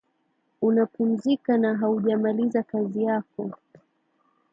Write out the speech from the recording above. una pumzika na haujamaliza kazi yako